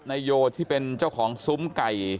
โยที่เป็นเจ้าของซุ้มไก่